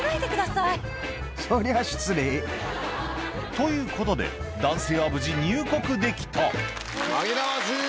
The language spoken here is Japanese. ということで男性は無事入国できた紛らわしい！